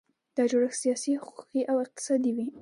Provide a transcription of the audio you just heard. دا جوړښت سیاسي، حقوقي او اقتصادي وي.